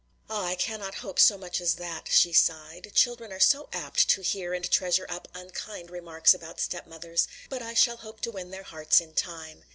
"Ah, I cannot hope so much as that!" she sighed; "children are so apt to hear and treasure up unkind remarks about stepmothers; but I shall hope to win their hearts in time.